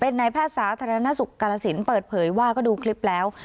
นายแพทย์สาธารณสุขกาลสินเปิดเผยว่าก็ดูคลิปแล้ว